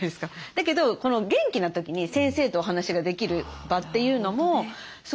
だけど元気な時に先生とお話ができる場というのもすごい大事だなと思って。